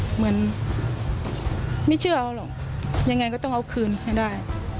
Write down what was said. เหมือนไม่เชื่อเอาหรอกยังไงก็ต้องเอาคืนให้ได้